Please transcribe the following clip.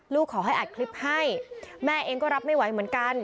ขอให้อัดคลิปให้แม่เองก็รับไม่ไหวเหมือนกัน